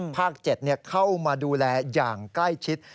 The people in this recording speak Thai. ๗เข้ามาดูแลอย่างใกล้ชิด